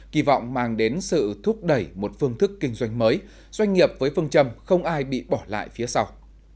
kỳ vọng mang đến sự thúc đẩy một phương thức kinh doanh mới doanh nghiệp với phương châm không ai bị bỏ lại phía sau